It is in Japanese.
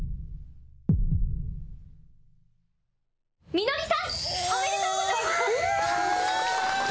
ミノリさんおめでとうございます！